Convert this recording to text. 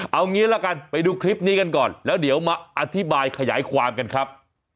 เอางี้ละกันไปดูคลิปนี้กันก่อนแล้วเดี๋ยวมาอธิบายขยายความกันครับ